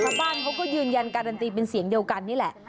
ชาวบ้านเขาก็ยืนยันการันตีเป็นเสียงเดียวกันนี่แหละ